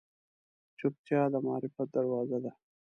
چوپتیا، د معرفت دروازه ده.